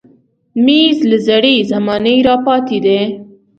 مېز له زړې زمانې راپاتې دی.